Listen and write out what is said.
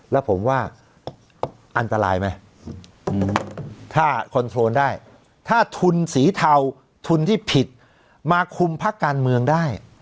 แล้วผมว่าอันตรายไหมถ้าคอนโทรลได้ถ้าทุนสีเทาทุนที่ผิดมาคุมพักการเมืองได้